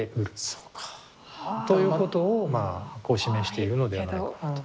そうか。ということをまあこう示しているのではないかと。